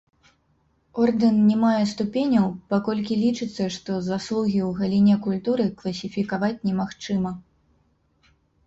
Ордэн не мае ступеняў, паколькі лічыцца, што заслугі ў галіне культуры класіфікаваць немагчыма.